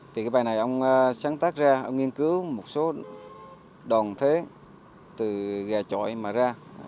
thì cái bài này ông sáng tác ra ông nghiên cứu một số đoàn thế từ gà trọi mà ra